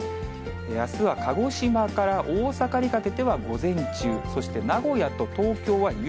あすは鹿児島から大阪にかけては午前中、そして名古屋と東京は夕